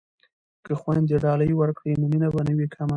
که خویندې ډالۍ ورکړي نو مینه به نه وي کمه.